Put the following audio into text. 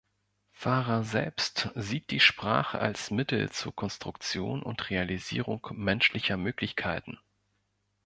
Farah selbst sieht die Sprache als Mittel zur Konstruktion und Realisierung menschlicher Möglichkeiten.